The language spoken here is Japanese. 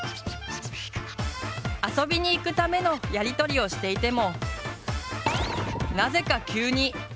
遊びに行くためのやり取りをしていても。